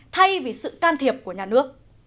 thay vì sự can thiệp của nhà nước